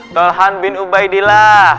tolhan bin ubaidillah